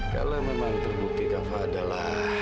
kalau memang terbukti kafa adalah